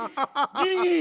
ギリギリ！